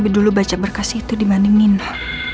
tapi dulu baca berkas itu dibanding nina